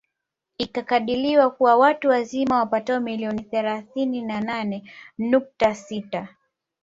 Ilikadiriwa kuwa watu wazima wapato milioni thalathini na nane nukta sita